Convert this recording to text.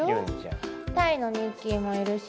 タイのニッキーもいるし。